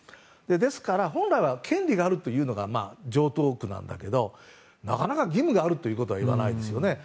ですから、本来は権利があるというのが常套句なんだけどなかなか義務があるということは言わないですよね。